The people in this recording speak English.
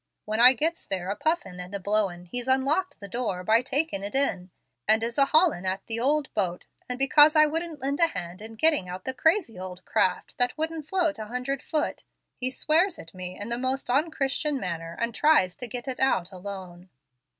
When I gets there, a puffin' an' a blowin', he's unlocked the door by taeakin' it in, and is a haulin' at the ould boat; and because I wouldn't lend a band in gettin' out the crazy ould craft that wouldn't float a hundred foot, he swears at me in the most onchristian manner, and tries to get it out alone.